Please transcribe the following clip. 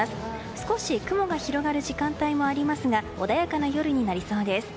少し雲が広がる時間帯もありますが穏やかな夜になりそうです。